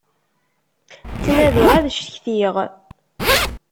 Ttnadiɣ ad cektiɣ.